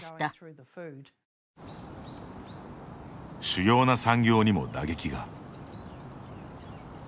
主要な産業にも打撃が。